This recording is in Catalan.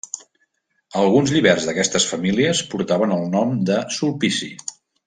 Alguns lliberts d'aquestes famílies portaven el nom de Sulpici.